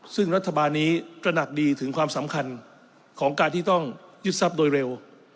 ซึ่งรัฐบาลนี้ตระหนักดีถึงความสำคัญของการที่ต้องยึดทรัพย์โดยเร็ว